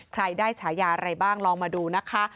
ได้ฉายาอะไรบ้างลองมาดูนะคะ